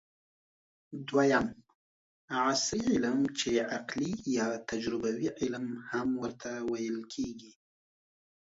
دویم : عصري علم چې عقلي یا تجربوي علم هم ورته ويل کېږي